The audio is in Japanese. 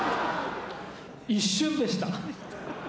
一瞬でした。